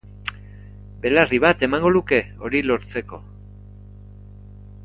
Belarri bat emango luke hori lortzeko